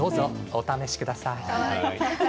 どうぞお試しください。